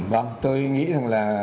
vâng tôi nghĩ rằng là